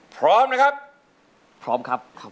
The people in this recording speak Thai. พร้อมนะครับพร้อมครับ